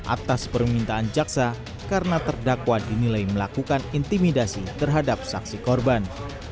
atas permintaan jaksa karena terdakwa dinilai melakukan intimidasi terhadap saksi korban